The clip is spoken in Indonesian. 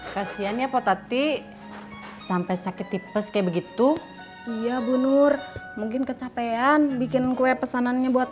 kasihan ya potati sampai sakit bipes kayak begitu iya olur mungkin kecapean bikin kue pesanannya buat